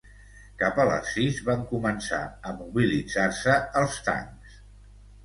Cap a les sis van començar a mobilitzar-se els tancs.